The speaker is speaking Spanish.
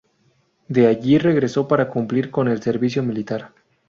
De allí regresó para cumplir con el servicio militar.